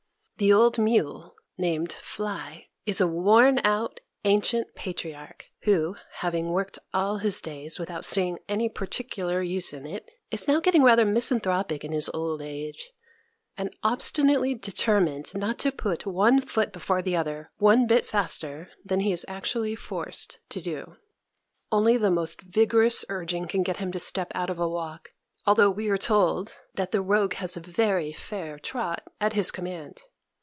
The old mule, named Fly, is a worn out, ancient patriarch, who, having worked all his days without seeing any particular use in it, is now getting rather misanthropic in his old age, and obstinately determined not to put one foot before the other one bit faster than he is actually forced to do. Only the most vigorous urging can get him to step out of a walk, although we are told that the rogue has a very fair trot at his command.